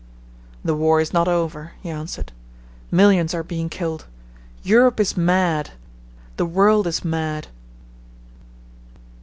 "The war is not over," he answered. "Millions are being killed. Europe is mad. The world is mad."